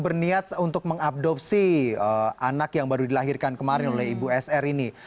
berniat untuk mengabdopsi anak yang baru dilahirkan kemarin oleh ibu sr ini